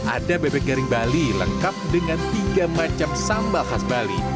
ada bebek garing bali lengkap dengan tiga macam sambal khas bali